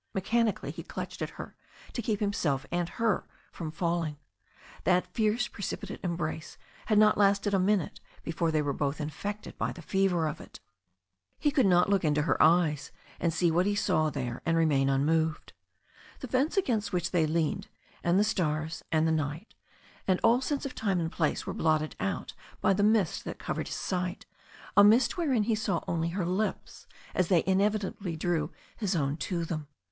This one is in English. Mechanically he clutched at her to keep him self and her from falling. That fierce precipitated embrace had not lasted a minute before they were both infected by the fever of it. He could not look into her eyes and see what he saw there and remain unmoved. The fence against which they leaned, and the stars, and the night, and all sense of time and place were blotted out by the mist that covered his sight, a mist wherein he saw only her lips as they inevitably drew his own to them.